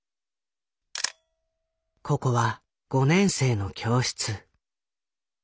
ここは５年生の教室。